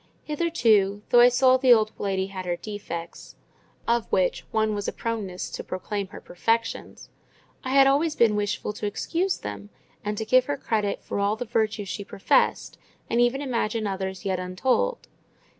Hitherto, though I saw the old lady had her defects (of which one was a proneness to proclaim her perfections), I had always been wishful to excuse them, and to give her credit for all the virtues she professed, and even imagine others yet untold.